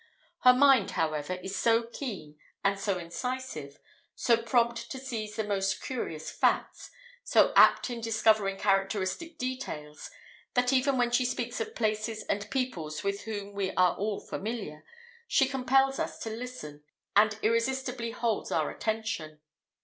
Her mind, however, is so keen and so incisive, so prompt to seize the most curious facts, so apt in discovering characteristic details, that even when she speaks of places and peoples with whom we are all familiar, she compels us to listen, and irresistibly holds our attention.